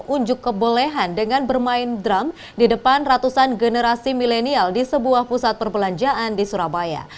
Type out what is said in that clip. unjuk kebolehan dengan bermain drum di depan ratusan generasi milenial di sebuah pusat perbelanjaan di surabaya